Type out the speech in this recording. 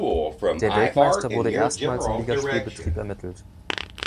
Der Weltmeister wurde erstmals im Ligaspielbetrieb ermittelt.